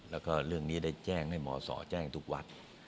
แล้วก็เรื่องนี้ได้แจ้งให้หมอสอแจ้งทุกวัด